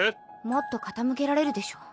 もっと傾けられるでしょ。